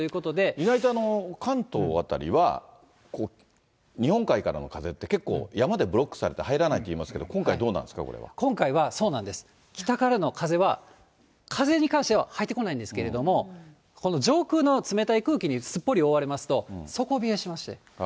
意外と関東辺りは、日本海からの風って、結構山でブロックされて入らないっていいますけど、今回、どうな今回はそうなんです、北からの風は、風に関しては入ってこないんですけれども、この上空の冷たい空気にすっぽり覆われますと、底冷えしまして。